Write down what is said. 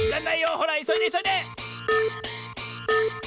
ほらいそいでいそいで！